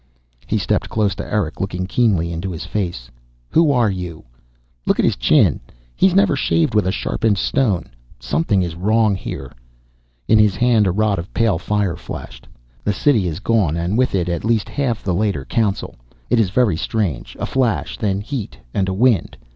He stepped close to Erick, looking keenly into his face. "Who are you? Look at his chin he never shaved with a sharpened stone! Something is wrong here." In his hand a rod of pale fire flashed. "The City is gone, and with it at least half the Leiter Council. It is very strange, a flash, then heat, and a wind.